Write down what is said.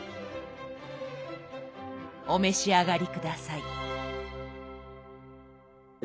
お召し上がり下さい。